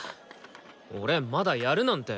俺まだやるなんて。